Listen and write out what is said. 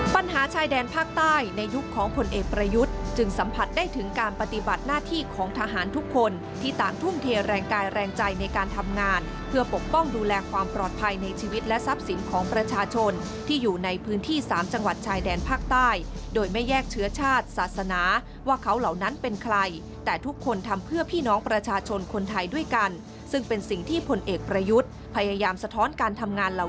ปัญหาชายแดนภาคใต้ในยุคของผลเอกประยุทธ์จึงสัมผัสได้ถึงการปฏิบัติหน้าที่ของทหารทุกคนที่ต่างทุ่มเทแรงกายแรงใจในการทำงานเพื่อปกป้องดูแลความปลอดภัยในชีวิตและทรัพย์สินของประชาชนที่อยู่ในพื้นที่๓จังหวัดชายแดนภาคใต้โดยไม่แยกเชื้อชาติศาสนาว่าเขาเหล่านั้นเป็นใครแต